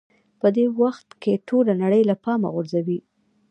په دې وخت کې ټوله نړۍ له پامه غورځوئ.